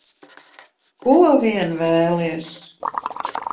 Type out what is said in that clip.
Ko vien vēlies.